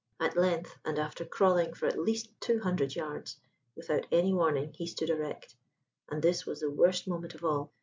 At length, and after crawling for at least two hundred yards, without any warning he stood erect: and this was the worst moment of all.